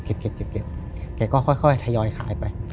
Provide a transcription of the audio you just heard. แกก็ค่อยทยอยขายไป